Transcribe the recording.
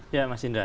ya mas indra